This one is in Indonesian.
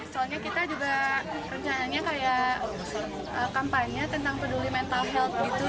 soalnya kita juga rencananya kayak kampanye tentang peduli mental health gitu